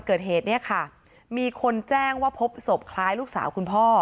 เกิดเหตุเนี่ยค่ะมีคนแจ้งว่าพบศพคล้ายลูกสาวคุณพ่อ